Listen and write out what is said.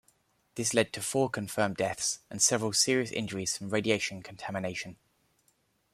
This led to four confirmed deaths and several serious injuries from radiation contamination.